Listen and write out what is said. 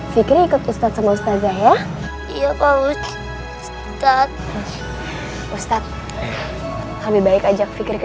si kiri ikut ustadz ustadz ya iya pak ustadz ustadz lebih baik ajak fikri ke